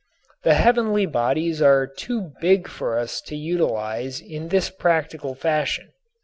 But the heavenly bodies are too big for us to utilize in this practical fashion.